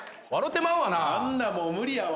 あんなもう無理やわ。